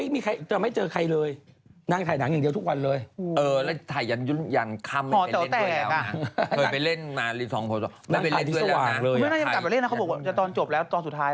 เมื่อไงตอนนี้นางฟองจำไม่ได้เห็นใคร